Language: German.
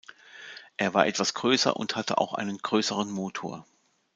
Er war etwas größer und hatte auch einen größeren Motor.